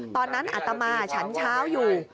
ตอนนั้นอัตตามาฉันเช้าอยู่